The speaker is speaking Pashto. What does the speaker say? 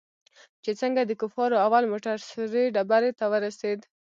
چې څنگه د کفارو اول موټر سرې ډبرې ته ورسېد.